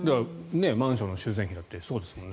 マンションの修繕費だってそうですもんね。